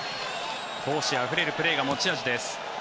闘志あふれるプレーが持ち味です。